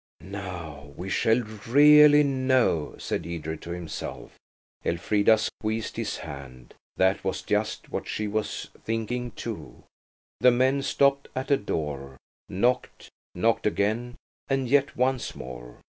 "Now we shall really know," said Edred to himself. Elfrida squeezed his hand. That was just what she was thinking, too. The men stopped at a door, knocked, knocked again, and yet once more.